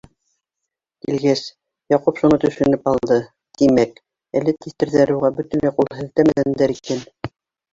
Килгәс, Яҡуп шуны төшөнөп алды: тимәк, әле тиҫтерҙәре уға бөтөнләй ҡул һелтәмәгәндәр икән.